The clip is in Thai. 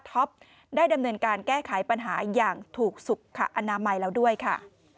ได้ดำเนินการแก้ไขปัญหาอย่างถูกสุขอนามัยแล้วด้วยค่ะ